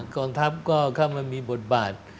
กองทัพก็เข้ามามีบทบาท